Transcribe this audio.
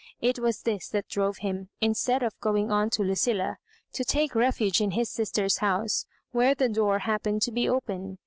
It was this that drove him, instead of going on to Lucilla, to take refuge in his sis ter's house, where the door happened to be open.